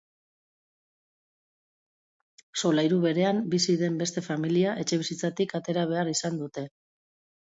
Solairu berean bizi den beste familia etxebizitzatik atera behar izan dute.